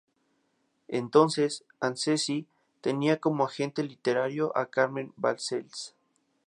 Entonces, Asensi tenía como agente literario a Carmen Balcells.